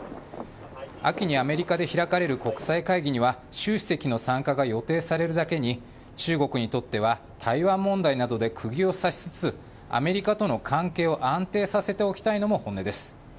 秋にアメリカで開かれる国際会議には習主席の参加が予定されるだけに、中国にとっては台湾問題などでくぎを刺しつつ、アメリカとの関係を安定させておきたいのも本音です。